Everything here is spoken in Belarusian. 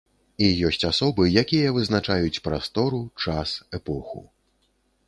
І ёсць асобы, якія вызначаюць прастору, час, эпоху.